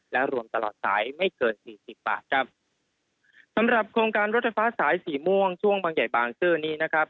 และรวมตลอดสายไม่เกินสี่สิบบาทครับสำหรับโครงการรถไฟฟ้าสายสีม่วงช่วงบางใหญ่บางซื่อนี้นะครับ